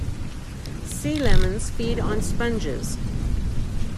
Sea lemons feed on sponges.